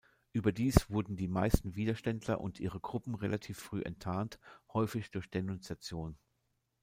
Überdies wurden die meisten Widerständler und ihre Gruppen relativ früh enttarnt, häufig durch Denunziation.